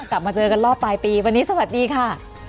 กลับมาเจอกันรอบปลายปีวันนี้สวัสดีค่ะ